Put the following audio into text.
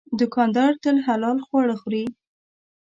دوکاندار تل حلال خواړه خوري.